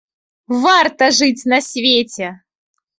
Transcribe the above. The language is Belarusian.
Варта жыць на свеце!